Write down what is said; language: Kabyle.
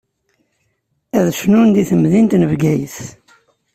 Ad cnun di temdint n Bgayet.